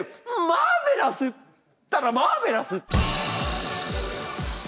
マーベラスったらマーベラス！